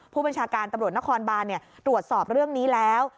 ผู้บัญชาการตำรวจนครบานตรวจสอบเรื่องนี้แล้ว